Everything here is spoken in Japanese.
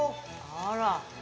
あら。